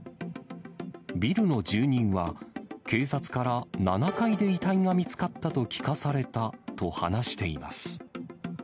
ビルの住人は、警察から７階で遺体が見つかったと聞かされたと話しています。